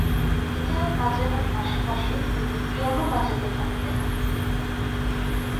Guitar বাজানোর পাশাপাশি তিনি পিয়ানো বাজাতে পারতেন।